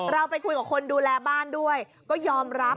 เราไปคุยกับคนดูแลบ้านด้วยก็ยอมรับ